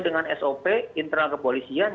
dengan sop internal kepolisian